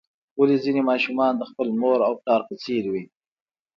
ولې ځینې ماشومان د خپل مور او پلار په څیر وي